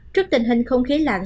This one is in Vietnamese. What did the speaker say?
trước tình hình không khí lạng